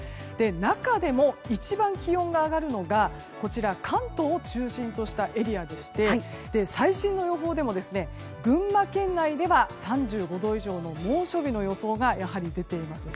中でも、一番気温が上がるのが関東を中心としたエリアでして最新の予報でも群馬県内では３５度以上の猛暑日の予想が出ています。